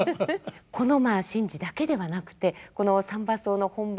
この神事だけではなくてこの「三番叟」の本番